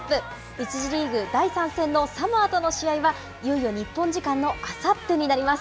１次リーグ第３戦のサモアとの試合は、いよいよ日本時間のあさってになります。